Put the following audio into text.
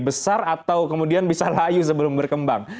besar atau kemudian bisa layu sebelum berkembang